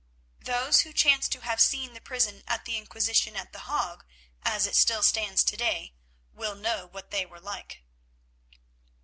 Those who chance to have seen the prison of the Inquisition at The Hague as it still stands to day, will know what they were like.